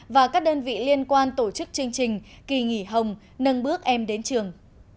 và các đơn vị liên quan tổ chức chương trình kỳ nghỉ hồng nâng bước em đến trường